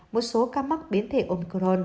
một số ca mắc biến thể omicron